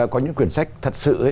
có những quyển sách thật sự